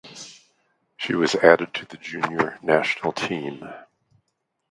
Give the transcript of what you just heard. She was added to the junior national team.